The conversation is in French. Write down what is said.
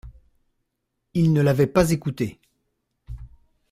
Ils ne l’avaient pas écoutée.